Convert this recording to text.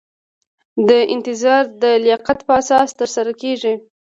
دا نظارت د لیاقت په اساس ترسره کیږي.